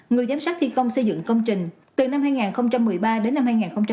người giám sát thi công xây dựng công trình từ năm hai nghìn một mươi ba đến năm hai nghìn một mươi bảy